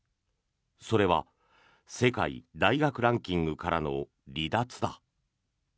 それは世界大学ランキングからの離脱だ。